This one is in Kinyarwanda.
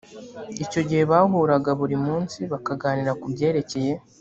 icyo gihe bahuraga buri munsi bakaganira ku byerekeye